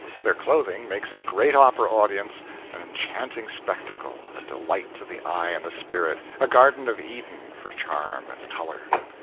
Their clothing makes a great opera audience an enchanting spectacle, a delight to the eye and the spirit, a Garden of Eden for charm and color.